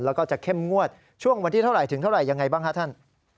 แล้วก็จะเข้มงวดช่วงวันที่เท่าไหร่ถึงเท่าไหร่ยังไงบ้างฮะท่าน